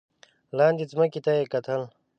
لاندې ځمکې ته یې کتل.